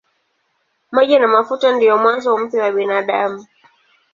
Maji na mafuta ndiyo mwanzo mpya kwa binadamu.